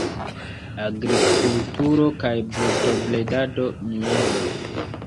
Agrikulturo kaj brutobredado; mielo.